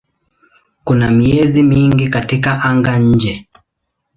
Kuna miezi mingi katika anga-nje.